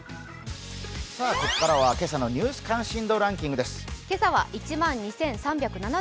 ここからは今朝の「ニュース関心度ランキング」です。